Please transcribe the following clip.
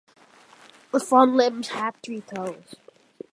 The front limbs had three toes.